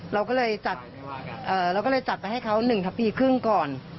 เราก็เลยจัดเราก็เลยจัดไปให้เขา๑ทับปีครึ่งก่อน